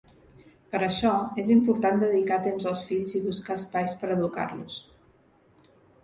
Per això, és important dedicar temps als fills i buscar espais per educar-los.